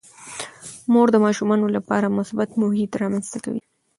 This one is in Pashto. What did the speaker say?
مور د ماشومانو لپاره مثبت محیط رامنځته کوي.